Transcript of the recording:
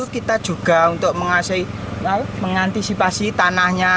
kita juga untuk mengantisipasi tanahnya